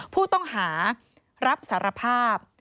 ผู้ต้องหารับสารภาพ